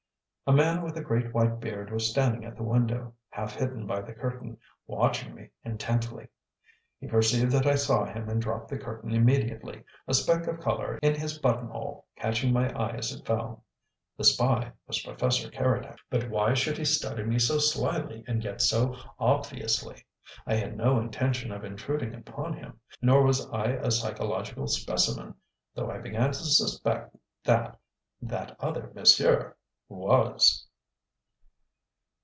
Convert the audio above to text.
A man with a great white beard was standing at the window, half hidden by the curtain, watching me intently. He perceived that I saw him and dropped the curtain immediately, a speck of colour in his buttonhole catching my eye as it fell. The spy was Professor Keredec. But why should he study me so slyly and yet so obviously? I had no intention of intruding upon him. Nor was I a psychological "specimen," though I began to suspect that "that other monsieur" WAS.